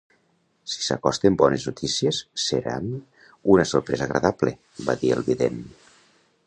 "Si s'acosten bones notícies, seran una sorpresa agradable", va dir el vident.